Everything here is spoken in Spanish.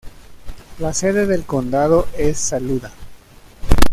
La sede del condado es Saluda.